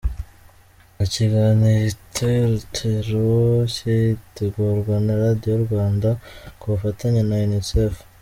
Ikiganiro Itetero gitegurwa na Radio Rwanda ku bufatanye na Unicef.